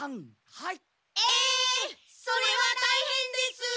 はい！